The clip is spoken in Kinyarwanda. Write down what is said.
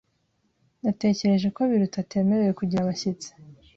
Natekereje ko Biruta atemerewe kugira abashyitsi.